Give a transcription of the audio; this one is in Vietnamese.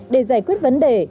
để giải quyết vấn đề